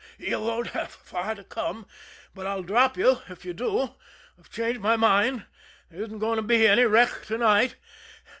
"You won't have far to come, but I'll drop you if you do. I've changed my mind there isn't going to be any wreck to night.